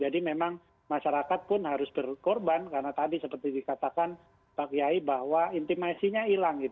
jadi memang masyarakat pun harus berkorban karena tadi seperti dikatakan pak yae bahwa intimasinya hilang